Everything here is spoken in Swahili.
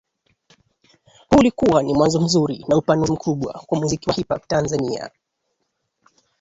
Huu ulikuwa ni mwanzo mzuri na upanuzi mkubwa kwa muziki wa Hip Hop Tanzania